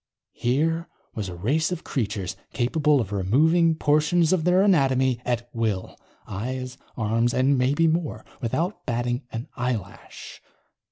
Here was a race of creatures capable of removing portions of their anatomy at will. Eyes, arms and maybe more. Without batting an eyelash.